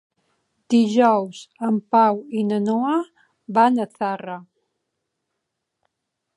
Dijous en Pau i na Noa van a Zarra.